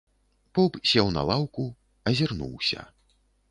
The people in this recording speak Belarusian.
Поп сеў на лаўку, азірнуўся.